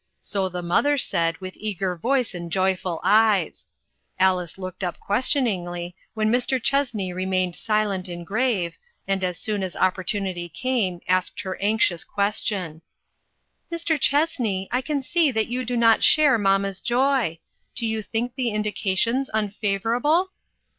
So the mother said, with eager voice and joyful eyes. Alice looked up qnestioningly when Mr. Cliessney remained silent and grave, and as soon as opportu nity came, asked her anxious question ; AN ESCAPED VICTIM. "Mr. Chessney, I can see that you do not share mamma's joy. Do you think the in dications unfavorable